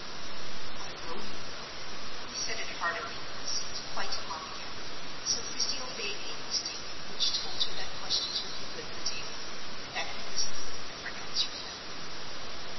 "I know you will." He said it heartily, and seemed quite calm again; so Christie obeyed the instinct which told her that questions would be good for David, and that he was in the mood for answering them.